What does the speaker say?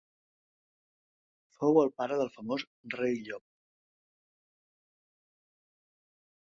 Fou el pare del famós Rei Llop.